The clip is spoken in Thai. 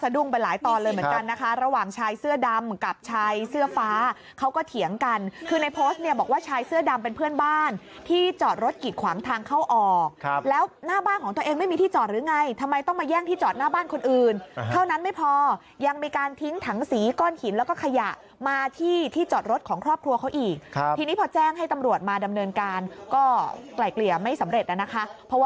เดี๋ยวลองดูคลิปหน่อยค่ะ